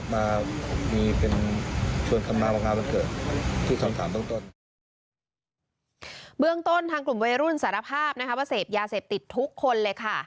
เมืองต้นทางกลุ่มวัยรุ่นสารภาพนะคะว่าเสพยาเสพติดทุกคนเลยค่ะ